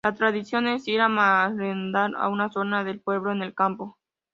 La tradición es ir a merendar a una zona del pueblo, en el campo.